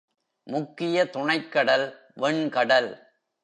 முக்கிய துணைக் கடல் வெண் கடல்.